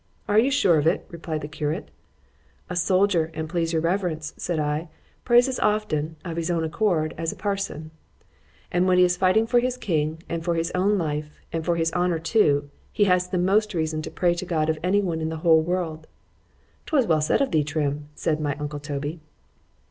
——Are you sure of it? replied the curate.——A soldier, an' please your reverence, said I, prays as often (of his own accord) as a parson;——and when he is fighting for his king, and for his own life, and for his honour too, he has the most reason to pray to God of any one in the whole world——'Twas well said of thee, Trim, said my uncle _Toby.